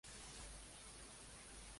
Lacayo reside en Nicaragua con su familia.